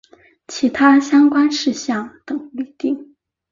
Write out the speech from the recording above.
其他相关事项等规定